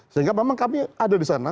sehingga memang kami ada di sana